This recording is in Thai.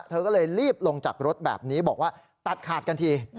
เธอก็เลยรีบลงจากรถแบบนี้บอกว่าตัดขาดกันที